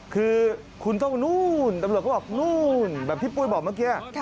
คือคุณต้องนู่นตำรวจก็บอกนู่นแบบที่ปุ้ยบอกเมื่อกี้